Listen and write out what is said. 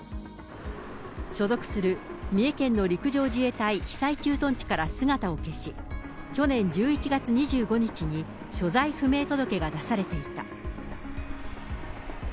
所属する三重県の陸上自衛隊久居駐屯地から姿を消し、去年１１月２５日に所在不明届が出されていた。